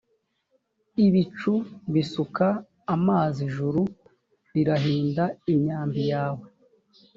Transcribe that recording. ibicu bisuka amazi ijuru rirahinda imyambi yawe